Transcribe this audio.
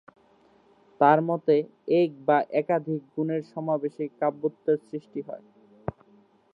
তাঁর মতে, এক বা একাধিক গুণের সমাবেশেই কাব্যত্বের সৃষ্টি হয়।